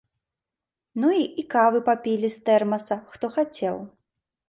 Ну і кавы папілі з тэрмаса, хто хацеў.